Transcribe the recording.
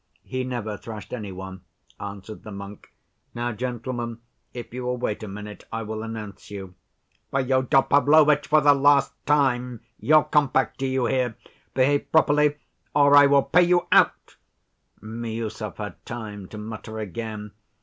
He never thrashed any one," answered the monk. "Now, gentlemen, if you will wait a minute I will announce you." "Fyodor Pavlovitch, for the last time, your compact, do you hear? Behave properly or I will pay you out!" Miüsov had time to mutter again.